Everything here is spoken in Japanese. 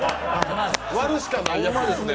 割るしかないやつです。